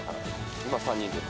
今３人です。